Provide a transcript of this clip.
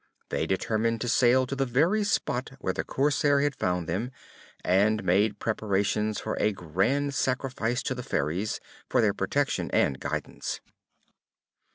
They determined to sail to the very spot where the Corsair had found them, and made preparations for a grand sacrifice to the fairies, for their protection and guidance.